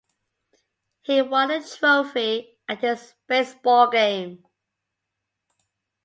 He won a trophy at his baseball game.